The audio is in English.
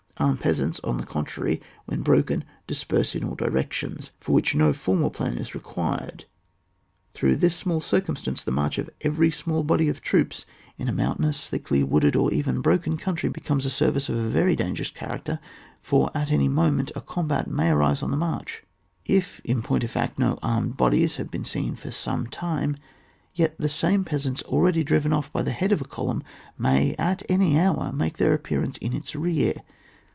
Armed peasants, on the con trary, when broken, disperse in all di rections, for which no formal plan is required ; through this circumstance, the march of every small body of troops in a mountainous, thickly wooded, or even broken country, becomes a service of a very dangerous character, for at any mo ment a combat may arise on the march ; if in point of fact no armed bodies have even been seen for some time, yet the same peasants already driviBik off by the head of a column, may at any hour make their appearance in itii rear.